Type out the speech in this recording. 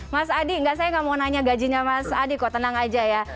mas adi saya nggak mau nanya gajinya mas adi kok tenang aja ya